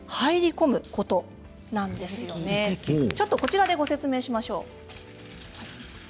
ちょっとこちらでご説明しましょう。